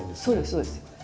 そうですそうです。